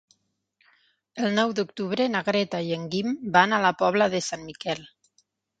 El nou d'octubre na Greta i en Guim van a la Pobla de Sant Miquel.